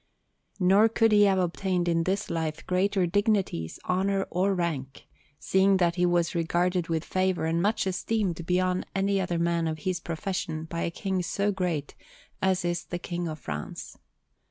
Nor could he have obtained in this life greater dignities, honour, or rank, seeing that he was regarded with favour and much esteemed beyond any other man of his profession by a King so great as is the King of France.